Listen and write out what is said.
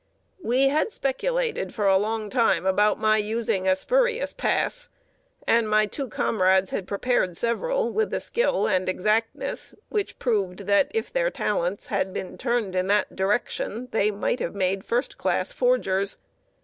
We had speculated for a long time about my using a spurious pass, and my two comrades prepared several with a skill and exactness which proved that, if their talents had been turned in that direction, they might have made first class forgers.